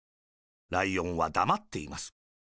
ライオンは、だまっています。